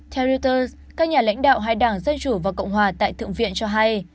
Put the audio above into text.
theo reuters các nhà lãnh đạo hai đảng dân chủ và cộng hòa tại thượng viện cho hay